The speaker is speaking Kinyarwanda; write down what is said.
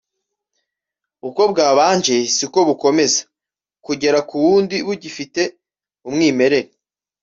uko bwabanje siko bukomeza kugera ku wundi bugifite umwimerere